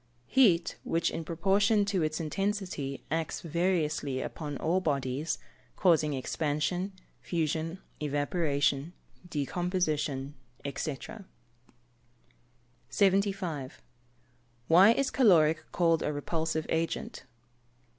_ Heat which, in proportion to its intensity, acts variously upon all bodies, causing expansion, fusion, evaporation, decomposition, &c. 75. _Why is caloric called a repulsive agent?